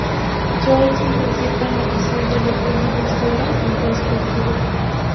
Chartier participa en la emisión de los lunes de historia en France Culture.